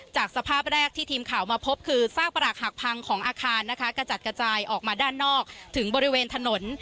สภาพแรกที่ทีมข่าวมาพบคือซากประหลักหักพังของอาคารนะคะกระจัดกระจายออกมาด้านนอกถึงบริเวณถนน